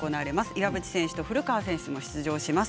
岩渕選手と古川選手も出場します。